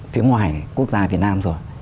phía ngoài quốc gia việt nam rồi